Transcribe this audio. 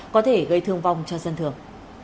có thể gây thương vong cho dân thường